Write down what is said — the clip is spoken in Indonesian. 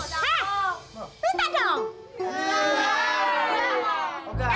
hei minta dong